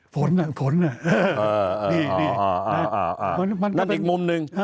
ผลน่ะผลน่ะดีนะครับมันก็เป็นนั่นอีกมุมนึง